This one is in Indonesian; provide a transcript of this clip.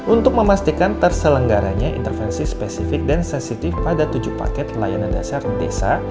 untuk memastikan terselenggaranya intervensi spesifik dan sensitif pada tujuh paket layanan dasar desa